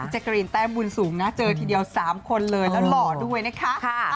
แจกรีนแต้มบุญสูงนะเจอทีเดียว๓คนเลยแล้วหล่อด้วยนะคะ